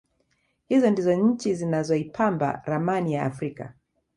Hizi ndizo nchi zinazoipamba ramani ya Afrika